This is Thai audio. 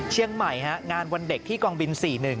เชียงใหม่ฮะงานวันเด็กที่กองบิน๔๑